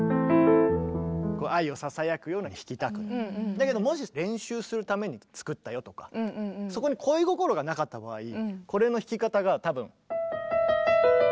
だけどもし練習するために作ったよとかそこに恋心がなかった場合これの弾き方が多分。